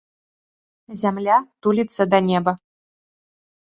Зямля туліцца да неба.